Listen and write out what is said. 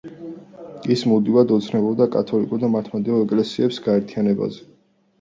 ის მუდმივად ოცნებობდა კათოლიკური და მართლმადიდებლური ეკლესიების გაერთიანებაზე.